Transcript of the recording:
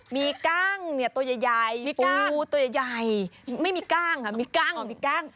มีกั้งเนี่ยตัวใหญ่ปูตัวใหญ่ไม่มีกล้างมีกล้างมีกล้าง